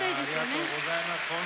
ありがとうございます。